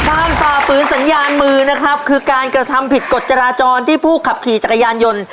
ฝ่าฝืนสัญญาณมือนะครับคือการกระทำผิดกฎจราจรที่ผู้ขับขี่จักรยานยนต์